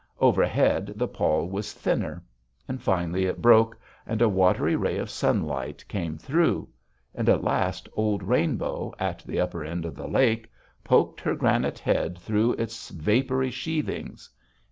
Overhead, the pall was thinner. Finally it broke, and a watery ray of sunlight came through. And, at last, old Rainbow, at the upper end of the lake, poked her granite head through its vapory sheathings.